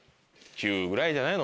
９ぐらいじゃないの？